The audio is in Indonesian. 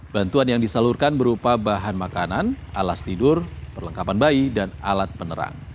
bantuan yang disalurkan berupa bahan makanan alas tidur perlengkapan bayi dan alat penerang